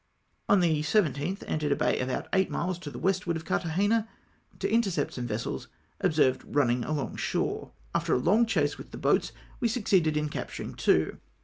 On the 17 th entered a bay about eight miles to the westward of Carthagena to intercept some vessels ob VOL. I. K 242 CLEAR FOR ACTION. served running along shore. After a long chase with the boats, we succeeded in capturing two.